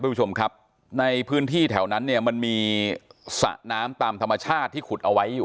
คุณผู้ชมครับในพื้นที่แถวนั้นเนี่ยมันมีสระน้ำตามธรรมชาติที่ขุดเอาไว้อยู่